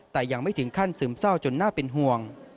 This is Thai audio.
แต่ยังไม่ถึงขั้นซึมเศร้าจนน่าเป็นห่วง